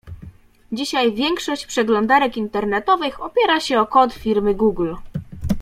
Dzisiaj większość przeglądarek internetowych opiera się o kod firmy Google.